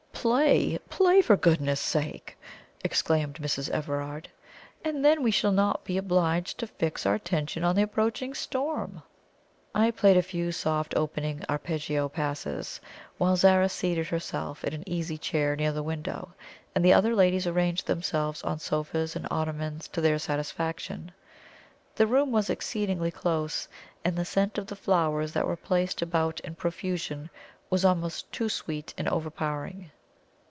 "Play play, for goodness' sake!" exclaimed Mrs. Everard; "and then we shall not be obliged to fix our attention on the approaching storm!" I played a few soft opening arpeggio passages, while Zara seated herself in an easy chair near the window, and the other ladies arranged themselves on sofas and ottomans to their satisfaction. The room was exceedingly close: and the scent of the flowers that were placed about in profusion was almost too sweet and overpowering.